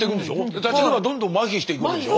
舌がどんどんまひしていくんでしょ。